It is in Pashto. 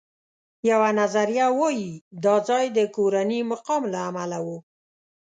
یوه نظریه وایي دا ځای د کورني مقام له امله و.